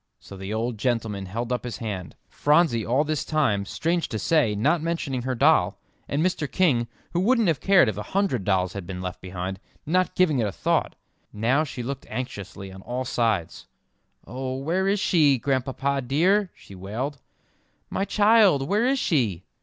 So the old gentleman held up his hand; Phronsie all this time, strange to say, not mentioning her doll, and Mr. King, who wouldn't have cared if a hundred dolls had been left behind, not giving it a thought. Now she looked anxiously on all sides. "Oh, where is she, Grandpapa dear?" she wailed, "my child; where is she?"